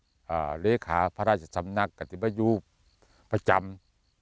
อยากจะเหลือการีดีกว่าภรรรยาจราบสำนักกฎิบายุพระจำ